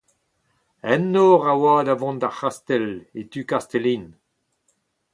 Un nor a oa da vont d’ar c’hastell, e tu Kastellin.